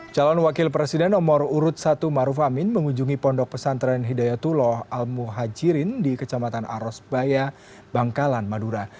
calon wakil presiden nomor urut satu maruf amin mengunjungi pondok pesantren hidayatullah al muhajirin di kecamatan arosbaya bangkalan madura